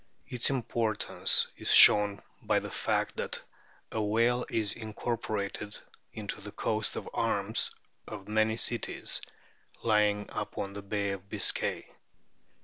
Its importance is shown by the fact that a whale is incorporated into the coats of arms of many cities lying upon the Bay of Biscay.